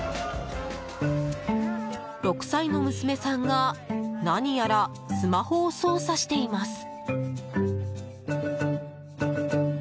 ６歳の娘さんが何やらスマホを操作しています。